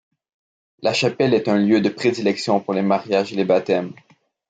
La chapelle est un lieu de prédilection pour les mariages et les baptêmes.